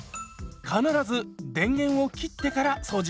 必ず電源を切ってから掃除しましょう。